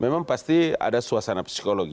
memang pasti ada suasana psikologi